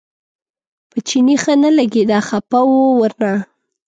په چیني ښه نه لګېده خپه و ورنه.